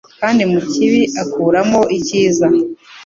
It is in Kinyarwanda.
kandi mu kibi akuramo icyiza.